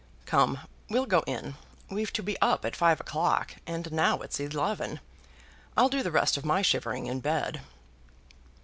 Come, we'll go in. We've to be up at five o'clock, and now it's eleven. I'll do the rest of my shivering in bed."